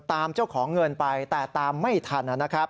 ตามเจ้าของเงินไปแต่ตามไม่ทันนะครับ